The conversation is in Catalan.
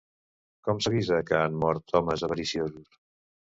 Com s'avisa que han mort homes avariciosos?